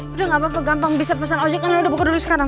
udah gapapa gampang bisa pesan ojek online udah buka dulu sekarang